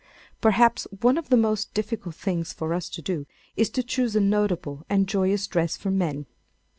Perhaps one of the most difficult things for us to do is to choose a notable and joyous dress for men.